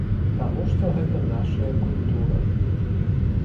Таму што гэта нашая культура.